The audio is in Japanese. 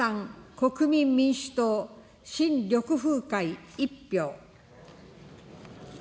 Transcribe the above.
国民民主党・新緑風会１票。